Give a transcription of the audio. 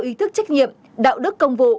ý thức trách nhiệm đạo đức công vụ